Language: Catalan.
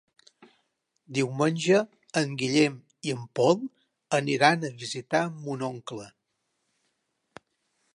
Diumenge en Guillem i en Pol aniran a visitar mon oncle.